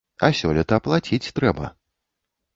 А сёлета плаціць трэба.